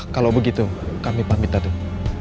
kalau begitu kami pamit tadi